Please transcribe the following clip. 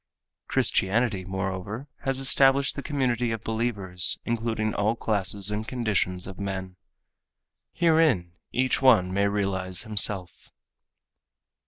Christianity, moreover, has established the community of believers including all classes and conditions of men. Herein each one may realize himself.